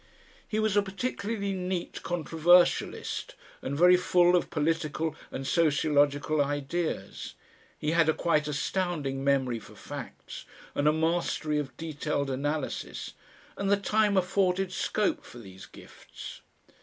He was a particularly neat controversialist, and very full of political and sociological ideas. He had a quite astounding memory for facts and a mastery of detailed analysis, and the time afforded scope for these gifts.